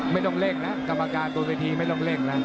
ไม่ต้องเล่งนะกรรมการตัวเวทีไม่ต้องเล่งนะ